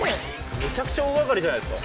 めちゃくちゃ大がかりじゃないですか？